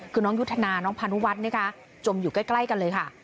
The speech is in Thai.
คือน้องยุทธนาน้องพานุวัฒน์นะคะจมอยู่ใกล้กันเลยค่ะ